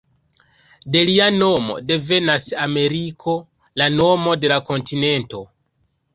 De lia nomo devenas Ameriko, la nomo de la kontinento.